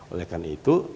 oleh karena itu